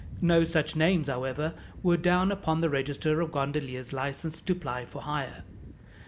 No such names, however, were down upon the register of gondoliers licensed to ply for hire.